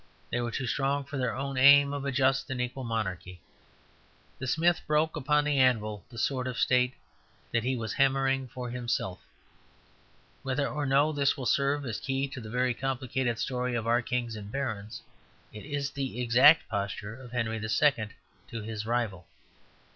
They were too strong for their own aim of a just and equal monarchy. The smith broke upon the anvil the sword of state that he was hammering for himself. Whether or no this will serve as a key to the very complicated story of our kings and barons, it is the exact posture of Henry II. to his rival.